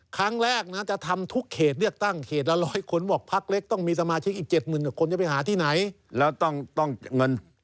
ครั้งแรกจะทำทุกเขตเลือกตั้งเขตละร้อยคนบอกมีสมาชิกอีก๗๐๐๐คนจะไปหาที่ไหน